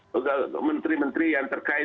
menteri menteri yang terkait